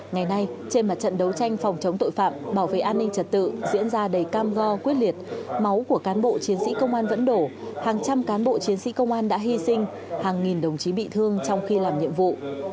ngày nay trên mặt trận đấu tranh phòng chống tội phạm bảo vệ an ninh trật tự diễn ra đầy cam go quyết liệt máu của cán bộ chiến sĩ công an vẫn đổ hàng trăm cán bộ chiến sĩ công an đã hy sinh hàng nghìn đồng chí bị thương trong khi làm nhiệm vụ